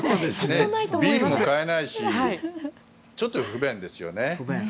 ビールも買えないしちょっと不便ですよね。